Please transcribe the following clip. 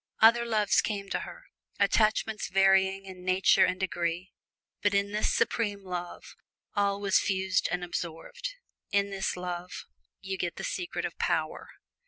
Other loves came to her, attachments varying in nature and degree, but in this supreme love all was fused and absorbed. In this love, you get the secret of power.